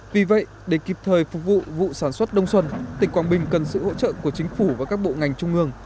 vì vậy để kịp thời phục vụ vụ sản xuất đông xuân tỉnh quảng bình cần sự hỗ trợ của chính phủ và các bộ ngành trung ương